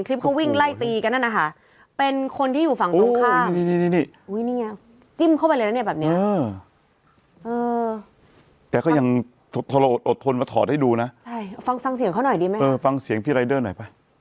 เขาก็ปี่มาหาผมเลย